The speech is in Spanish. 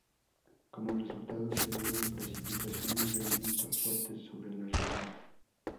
Como resultado se dieron precipitaciones realmente fuertes sobre la región.